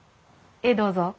ええどうぞ。